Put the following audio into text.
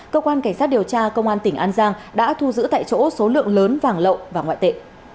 cơ quan cảnh sát điều tra công an tỉnh an giang đã thu giữ tại chỗ số lượng lớn vàng lậu và ngoại tệ